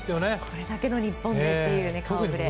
これだけの日本勢という顔ぶれ。